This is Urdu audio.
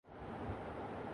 حوثیوں کے پاس کیا ہے؟